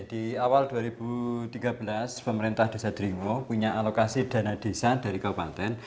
di awal dua ribu tiga belas pemerintah desa dringo punya alokasi dana desa dari kabupaten